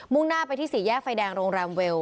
่งหน้าไปที่สี่แยกไฟแดงโรงแรมเวล